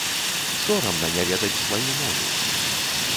Сорамна не ведаць сваю мову!